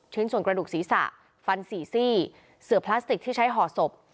ส่วนกระดูกศีรษะฟันสี่ซี่เสือพลาสติกที่ใช้ห่อศพ